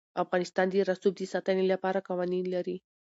افغانستان د رسوب د ساتنې لپاره قوانین لري.